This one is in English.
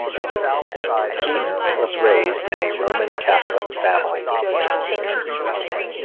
Keaton was raised in a Roman Catholic family.